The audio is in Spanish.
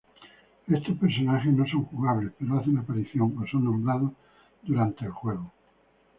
Estos personajes no son jugables pero hacen aparición o son nombrados durante el juego.